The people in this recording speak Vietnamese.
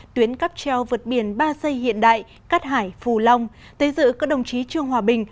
tuyến cắp treo vượt biển ba giây hiện đại cát hải phù long tới giữ các đồng chí trương hòa bình